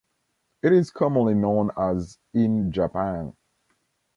It is commonly known as in Japan.